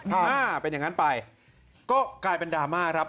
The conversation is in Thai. ถ้าเป็นอย่างนั้นไปก็กลายเป็นดราม่าครับ